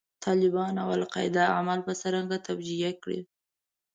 د طالبانو او القاعده اعمال به څرنګه توجیه کړې.